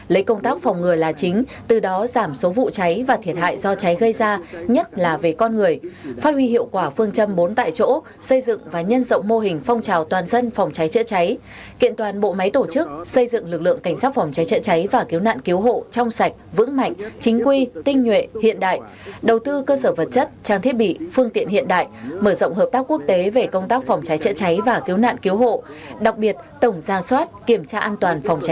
lấy công tác phòng người là chính từ đó giảm số vụ cháy và thiệt hại do cháy gây ra nhất là về con người phát huy hiệu quả phương châm bốn tại chỗ xây dựng và nhân rộng mô hình phong trào toàn dân phòng cháy chữa cháy kiện toàn bộ máy tổ chức xây dựng lực lượng cảnh sát phòng cháy chữa cháy và cứu nạn cứu hộ trong sạch vững mạnh chính quy tinh nhuệ hiện đại đầu tư cơ sở vật chất trang thiết bị phương tiện hiện đại mở rộng hợp tác quốc tế về công tác phòng cháy chữa cháy và cứu nạn cứu